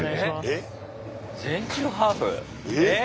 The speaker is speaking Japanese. えっ！